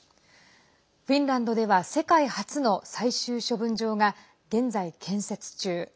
フィンランドでは世界初の最終処分場が現在、建設中。